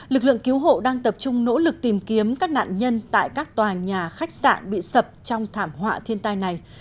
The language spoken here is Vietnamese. lực lượng cứu hộ đang tập trung nỗ lực tìm kiếm các nạn nhân tại các tòa nhà khách sạn bị sập trong thảm họa thiên tai này